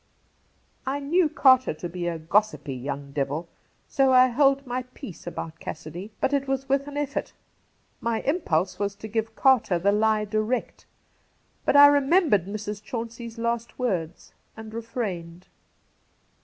I knew Carter to be a gossipy young devil, so I held my peace about Cassidy ; but it was with an effort. My impulse was to give Carter the lie direct, but I remembered Mrs. Chauncey's last words and refrained.